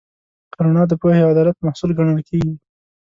رڼا د پوهې او عدالت محصول ګڼل کېږي.